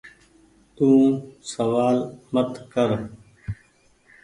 تو سوآل مت ڪر ۔